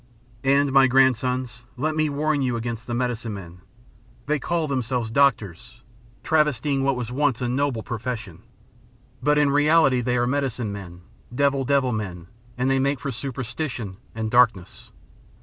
"And, my grandsons, let me warn you against the medicine men. They call themselves doctors, travestying what was once a noble profession, but in reality they are medicine men, devil devil men, and they make for superstition and darkness.